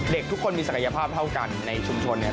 เด็กทุกคนมีศักยภาพเท่ากันในชุมชนเนี่ย